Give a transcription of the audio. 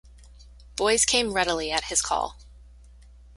Boys came readily at his call.